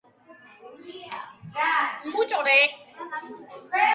აგრეთვე განვითარებულია მებაღეობა, გაშენებულია ვენახები და წურავენ ღვინოს.